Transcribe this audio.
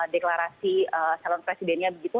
deklarasi salon presidennya begitu